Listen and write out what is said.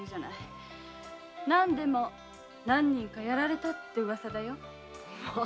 何でも何人か殺られたってうわさだよ。